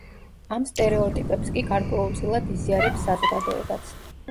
ამ სტერეოტიპებს კი გარკვეულწილად იზიარებს საზოგადოებაც.